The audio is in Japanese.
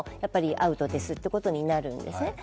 アウトですってことになるんですね。